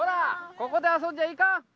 ここであそんじゃいかん！